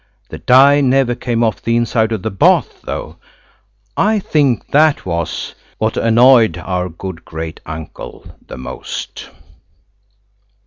The dye never came off the inside of the bath though. I think that was what annoyed our good great uncle the most.